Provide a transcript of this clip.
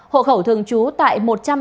hộ khẩu thường trú tại một trăm chín mươi hai